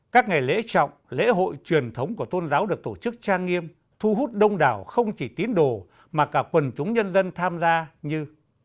các ngày lễ trọng lễ hội truyền thống của tôn giáo được tổ chức trang nghiêm thu hút đông đảo không chỉ tín đồ mà cả quần chúng nhân dân tham gia như